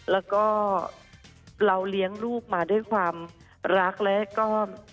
แล้วก็เราเลี้ยงลูกมาด้วยความรักแล้วก็